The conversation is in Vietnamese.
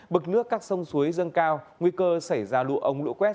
bực nước các sông suối dâng cao nguy cơ xảy ra lụa ống lũ quét